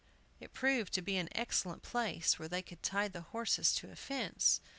It proved to be an excellent place, where they could tie the horses to a fence.